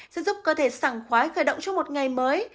sẽ giúp cơ thể sảng khoái khởi động cho một ngày mới